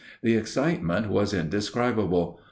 The excitement was indescribable.